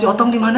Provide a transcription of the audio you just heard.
iya hujan sabihan